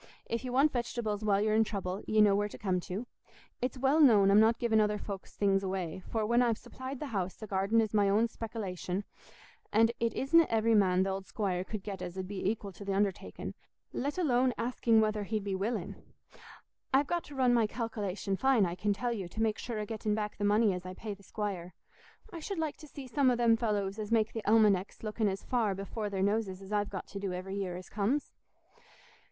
If ye want vegetables while ye're in trouble, ye know where to come to. It's well known I'm not giving other folks' things away, for when I've supplied the house, the garden's my own spekilation, and it isna every man th' old squire could get as 'ud be equil to the undertaking, let alone asking whether he'd be willing I've got to run my calkilation fine, I can tell you, to make sure o' getting back the money as I pay the squire. I should like to see some o' them fellows as make the almanecks looking as far before their noses as I've got to do every year as comes."